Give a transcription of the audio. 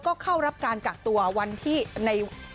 โปรดติดตามต่อไป